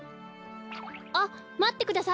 あっまってください